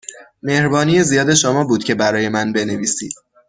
مهربانی زیاد شما بود که برای من بنویسید.